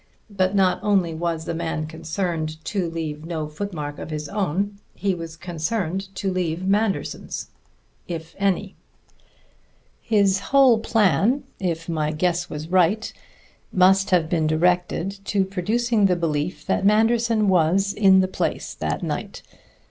But not only was the man concerned to leave no footmarks of his own. He was concerned to leave Manderson's, if any; his whole plan, if my guess was right, must have been directed to producing the belief that Manderson was in the place that night.